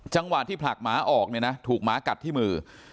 จังหวะที่ผลักหมาออกเนี่ยนะถูกหมากัดที่มือ